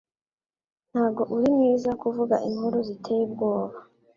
Ntabwo uri mwiza kuvuga inkuru ziteye ubwoba.